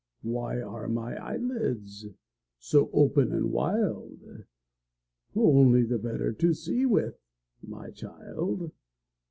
"Why are my eyelids so open and wild?" Only the better to see with, my child!